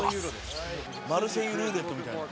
「マルセイユ・ルーレットみたいな」